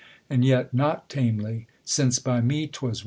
And yet not tamely, since by me 'twas won.